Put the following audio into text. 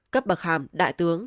cấp bậc hàm đại tướng